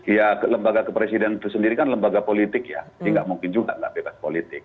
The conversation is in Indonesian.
ya lembaga kepresiden itu sendiri kan lembaga politik ya jadi nggak mungkin juga nggak bebas politik